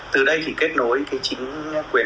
từ đây thì kết nối chính quyền